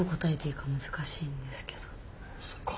そっか。